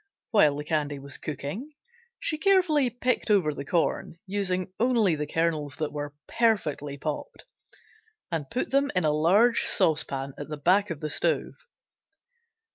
While the candy was cooking she carefully picked over the corn, using only the kernels that were perfectly popped, and put them in a large saucepan at the back of the stove.